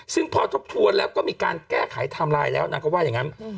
ซึ่งพอทบทวนแล้วก็มีการแก้ไขไทม์ไลน์แล้วนางก็ว่าอย่างนั้น